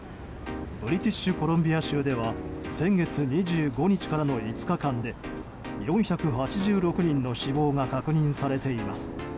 ブリティッシュコロンビア州では先月２５日からの５日間で４８６人の死亡が確認されています。